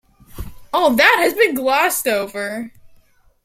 All that has been glossed over.